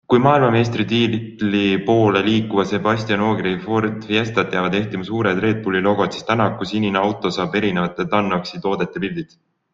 Kui maailmameistritiitli poole liikuva Sebastien Ogier' Ford Fiestat jäävad ehtima suured Red Bulli logod, siis Tänaku sinine auto saab erinevate Tunnock'si toodete pildid.